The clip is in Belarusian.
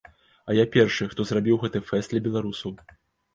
А я першы, хто зрабіў гэты фэст для беларусаў.